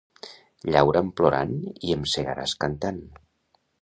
Llaura'm plorant i em segaràs cantant.